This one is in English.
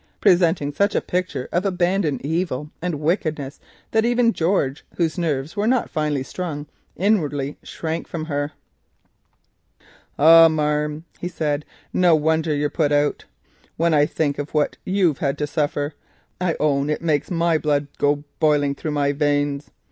presenting such a picture of abandoned rage and wickedness that even George, whose feelings were not finely strung, inwardly shrank from her. "Ah, marm," he said, "no wonder you're put about. When I think of what you've had to suffer, I own it makes my blood go a biling through my veins.